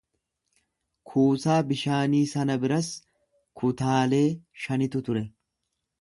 Kuusaa bishaanii sana biras kutaalee shanitu ture.